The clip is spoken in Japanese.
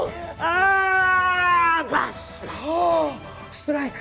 ストライク！